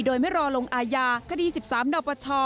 โดยไม่รอลงอาญาคดีสิบสามหนอปชอ